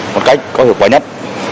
một cách có hiệu quả nhất